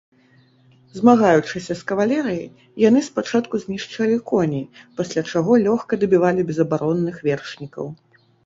Змагаючыся з кавалерыяй, яны спачатку знішчалі коней, пасля чаго лёгка дабівалі безабаронных вершнікаў.